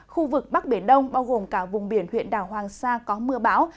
khu vực bắc biển đông bao gồm cả vùng biển huyện đảo hoàng sa có mưa bão